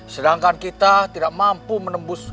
sedangkan kita tidak mampu menembus